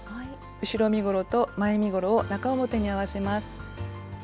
後ろ身ごろと前身ごろを中表に合わせます。